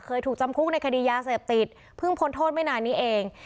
เคยถูกจำคุกในคดียาเสพติดเพิ่งพ้นโทษไม่นานนี้เอง